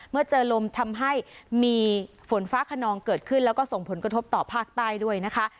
เมื่อเจอลมทำให้มีฝนฟ้าขนองเกิดขึ้นแล้วก็ส่งผลกระทบต่อภาคใต้ด้วยนะคะ